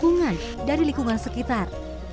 dukungan dari lingkungan sekitar